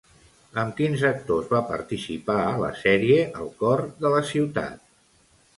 Amb quins actors va participar a la sèrie "El cor de la ciutat"?